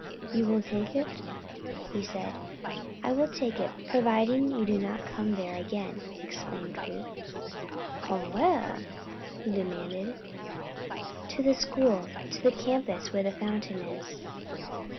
"You will take it?" he said. "I will take it providing you do not come there again," exclaimed Ruth. "Come where?" he demanded. "To the school. To the campus where the fountain is."